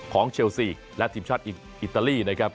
เชลซีและทีมชาติอิตาลีนะครับ